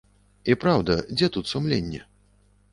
І праўда, дзе тут сумленне?